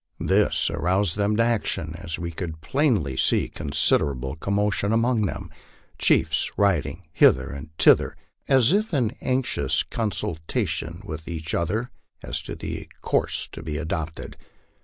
This aroused them to action, as we could plainly see considerable commotion among them chiefs riding hither and thither, as if in anxious consultation with each other as to the course to be adopted.